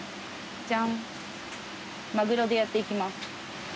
じゃんマグロでやっていきます。